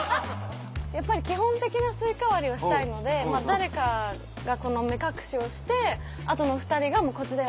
やっぱり基本的なスイカ割りをしたいので誰かが目隠しをしてあとの２人がこっちだよ